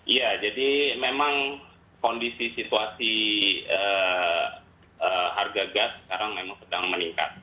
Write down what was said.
iya jadi memang kondisi situasi harga gas sekarang memang sedang meningkat